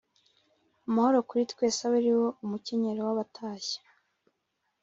amahoro kuri twese abe ariwo umucyenyero w’abatashya